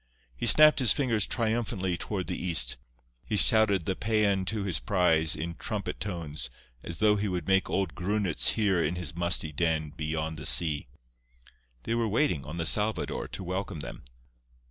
He snapped his fingers triumphantly toward the east. He shouted the paean to his prize in trumpet tones, as though he would make old Grunitz hear in his musty den beyond the sea. They were waiting, on the Salvador, to welcome them.